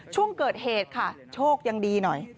ช่วงเกิดเหตุค่ะโชคยังดีหน่อย